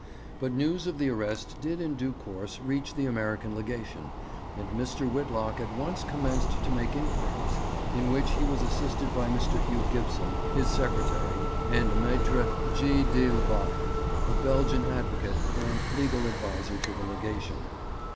But news of the arrest did in due course reach the American Legation, and Mr. Whitlock at once commenced to make inquiries, in which he was assisted by Mr. Hugh Gibson, his secretary, and Maitre G. de Leval, a Belgian advocate and legal adviser to the Legation.